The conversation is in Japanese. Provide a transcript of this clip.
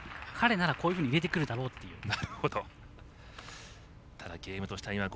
彼ならこういうふうに入れてくるだろうという。